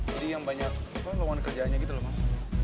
jadi yang banyak apa lawan kerja gitu loh bang